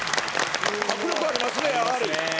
迫力ありますねやはり。